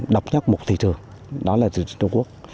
độc nhất một thị trường đó là thị trường trung quốc